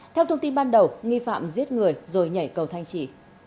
theo thông tin ban đầu nghi phạm giết người rồi nhảy cầu thanh trì